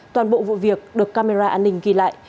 toàn bộ vụ việc được camera an ninh ghi lại